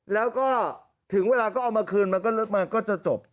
แล้วก็ถึงเวลาก็เอามาคืนมันก็จะจบ